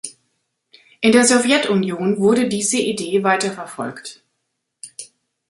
In der Sowjetunion wurde diese Idee weiterverfolgt.